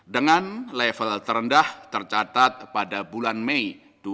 dengan level terendah tercatat pada bulan mei dua ribu dua puluh